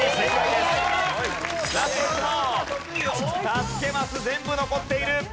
助けマス全部残っている。